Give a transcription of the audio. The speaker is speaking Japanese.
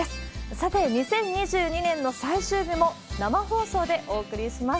さて、２０２２年の最終日も、生放送でお送りします。